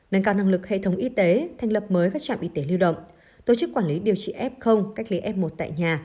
nâng cao năng lực hệ thống y tế thành lập mới các trạm y tế lưu động tổ chức quản lý điều trị f cách ly f một tại nhà